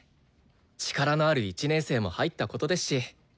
力のある１年生も入ったことですし。